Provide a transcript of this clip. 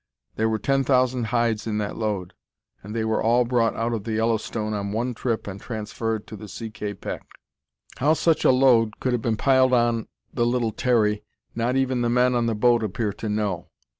There were ten thousand hides in that load, and they were all brought out of the Yellowstone on one trip and transferred to the C. K. Peck. How such a load could have been piled on the little Terry not even the men on the boat appear to know.